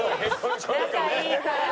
仲いいから。